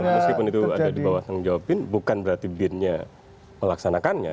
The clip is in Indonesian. meskipun itu ada di bawah tanggung jawab bin bukan berarti bin nya melaksanakannya